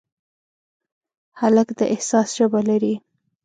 هلک د احساس ژبه لري.